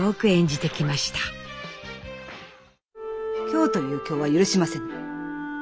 今日という今日は許しません。